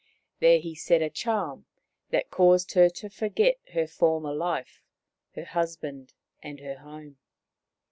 There he said a charm that caused her to forget her former life, her husband and her home.